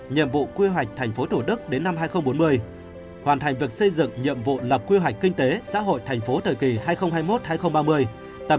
nhiệm vụ quy hoạch tp hcm đến năm hai nghìn bốn mươi hoàn thành việc xây dựng nhiệm vụ lập quy hoạch kinh tế xã hội tp hcm thời kỳ hai nghìn hai mươi một hai nghìn ba mươi tầm nhìn đến năm hai nghìn năm mươi